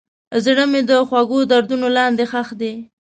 زړه مې د خوږو دردونو لاندې ښخ دی.